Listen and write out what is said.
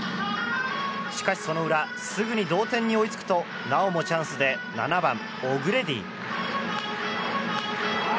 しかし、その裏すぐに同点に追いつくとなおもチャンスで７番、オグレディ。